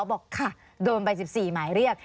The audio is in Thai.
บอกค่ะโดนไป๑๔หมายเรียก